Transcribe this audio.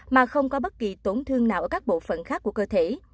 mà không có bất kỳ tổn thương nào ở các bộ phận khác của cơ thể